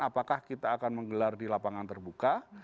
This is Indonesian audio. apakah kita akan menggelar di lapangan terbuka